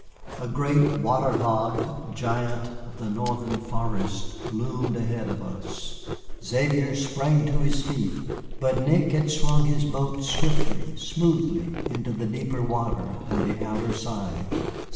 A great water logged giant of the Northern forests loomed ahead of us. Xavier sprang to his feet, but Nick had swung his boat swiftly, smoothly, into the deeper water on the outer side.